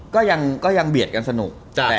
ก็ยังเบียดกันสนุก